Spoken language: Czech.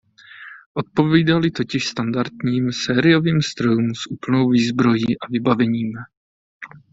Odpovídaly totiž standardním sériovým strojům s úplnou výzbrojí a vybavením.